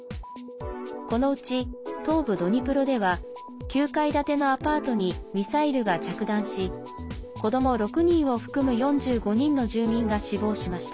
このうち、東部ドニプロでは９階建てのアパートにミサイルが着弾し子ども６人を含む４５人の住民が死亡しました。